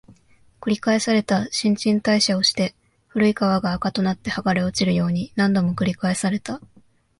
繰り返された、新陳代謝をして、古い皮が垢となって剥がれ落ちるように、何度も繰り返された